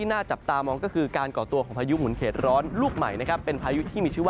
นั่นก็แผ่นความว่าในช่วงเร้วไวร์ในเก่าฝน